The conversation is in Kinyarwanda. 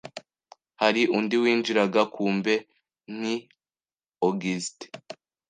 hari undi winjiraga kumbe ni augustin